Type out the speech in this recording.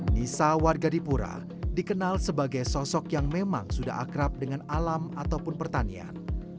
nisa warga dipura dikenal sebagai sosok yang memang sudah akrab dengan alam ataupun pertanian